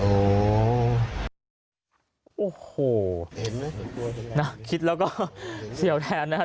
โอ้โหนะคิดแล้วก็เสี่ยวแทนนะครับ